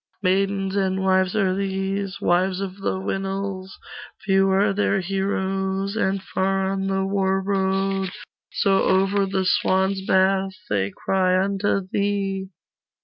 Maidens and wives are these Wives of the Winils; Few are their heroes And far on the war road, So over the swans' bath They cry unto thee.